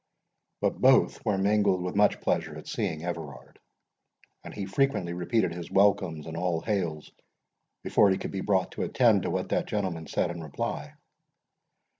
But both were mingled with much pleasure at seeing Everard, and he frequently repeated his welcomes and all hails before he could be brought to attend to what that gentleman said in reply.